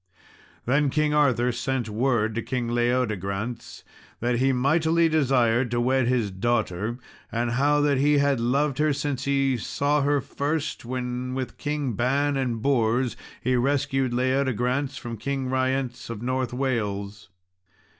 Then King Arthur sent word to King Leodegrance that he mightily desired to wed his daughter, and how that he had loved her since he saw her first, when with Kings Ban and Bors he rescued Leodegrance from King Ryence of North Wales.